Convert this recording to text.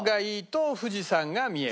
富士山見える？